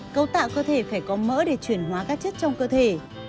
cấu tạo cơ thể phải có mỡ để chuyển hóa các chất trong cơ thể